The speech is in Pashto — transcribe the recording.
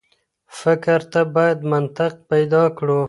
فکر ته بايد منطق پيدا کړو.